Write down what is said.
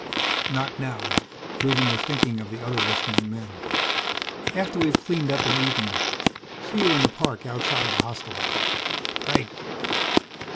"Not now." Duggan was thinking of the other listening men. "After we've cleaned up and eaten. See you in the park outside the hostel." "Right."